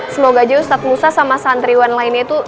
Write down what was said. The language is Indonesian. semoga aja ustadz musa sama santriwan lainnya itu